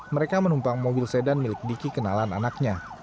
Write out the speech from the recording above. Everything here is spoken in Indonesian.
mereka menumpang mobil sedan milik diki kenalan anaknya